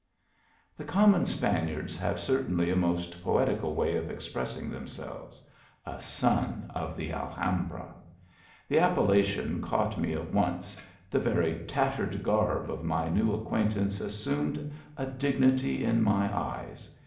The common Spaniards have certainly a most poetical way of expressing themselves " A son of the Alhambra :" the appellation caught me at once ; the very tattered garb of my new acquaintance as sumed a dignity in my eyes.